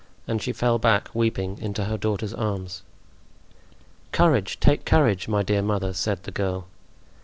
And she fell back, weeping, into her daughter's arms. "Courage, take courage, my dear mother!" said the girl.